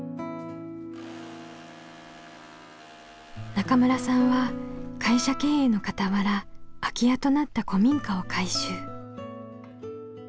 中村さんは会社経営のかたわら空き家となった古民家を改修。